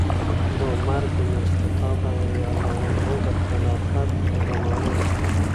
د عمر بن الخطاب رضي الله عنه د خلافت په زمانه کې